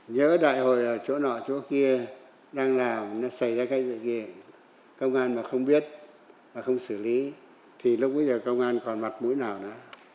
nhớ đại hội ở chỗ nọ chỗ kia đang làm nó xảy ra cái sự kiện công an mà không biết không xử lý thì lúc bây giờ công an còn mặt mũi nào nữa